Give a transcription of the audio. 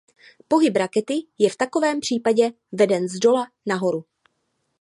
Pohyb rakety je v takovém případě veden zdola nahoru.